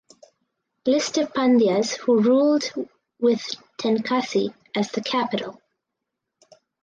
List of Pandyas who ruled with Tenkasi as the capital.